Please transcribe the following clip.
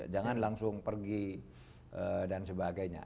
jangan langsung pergi dan sebagainya